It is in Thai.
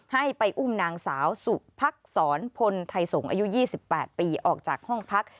ให้ไปอุ้มนางสาวสุพักษรพลไทยสงศ์อายุ๒๘ปีออกจากห้องพัก